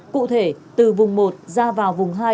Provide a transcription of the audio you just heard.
cụ thể từ vùng một ra vào vùng hai